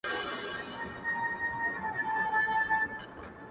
• ور څرگنده یې آرزو کړه له اخلاصه -